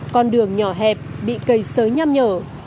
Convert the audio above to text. con đường nhỏ hẹp bị cây sới nham nhở